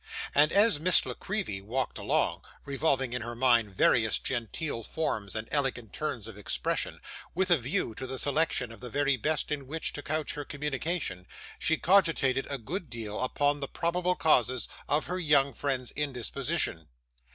And as Miss La Creevy walked along, revolving in her mind various genteel forms and elegant turns of expression, with a view to the selection of the very best in which to couch her communication, she cogitated a good deal upon the probable causes of her young friend's indisposition.